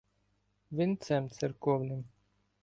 Винцем церковним.